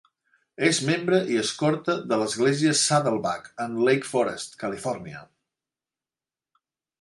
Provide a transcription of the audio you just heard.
És membre i escorta de l'Església Saddleback en Lake Forest, Califòrnia.